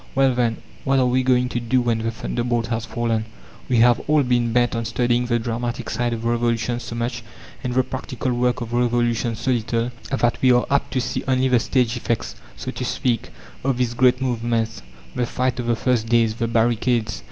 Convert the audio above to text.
Well, then, What are we going to do when the thunderbolt has fallen? We have all been bent on studying the dramatic side of revolutions so much, and the practical work of revolutions so little, that we are apt to see only the stage effects, so to speak, of these great movements; the fight of the first days; the barricades.